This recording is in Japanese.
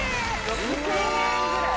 ・６０００円ぐらい？